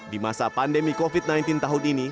di masa pandemi covid sembilan belas tahun ini